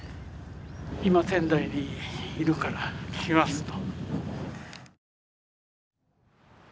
今仙台にいるから来ますと。